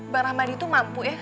bang rahmadi itu mampu ya